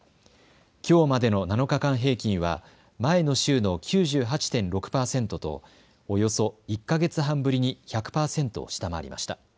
きょうまでの７日間平均は前の週の９８．６％とおよそ１か月半ぶりに１００％を下回りました。